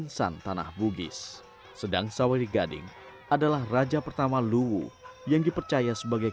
agar tanpa pengroumu dari terdapat suatu kabupaten yang asset tigers